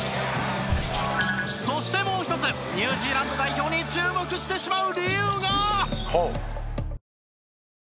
そしてもう一つニュージーランド代表に注目してしまう理由が。